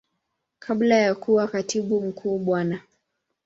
Kabla ya kuwa Katibu Mkuu Bwana.